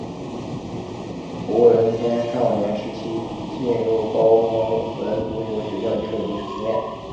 胡人天少年时期进入高丰文足球学校接受足球训练。